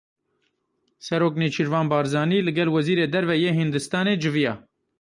Serok Nêçîrvan Barzanî li gel Wezîrê Derve yê Hîndistanê civiya.